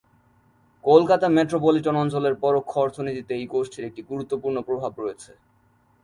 Kolkata metropolitan অঞ্চলের পরোক্ষ অর্থনীতিতে এই গোষ্ঠীর একটি গুরুত্বপূর্ণ প্রভাব রয়েছে।